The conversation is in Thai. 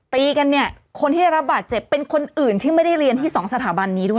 ตีกันเนี่ยคนที่ได้รับบาดเจ็บเป็นคนอื่นที่ไม่ได้เรียนที่สองสถาบันนี้ด้วย